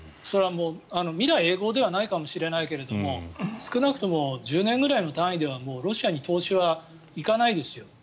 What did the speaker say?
それはもう未来永劫ではないかもしれないけれども少なくとも１０年くらいの単位ではロシアに投資は行かないですよ。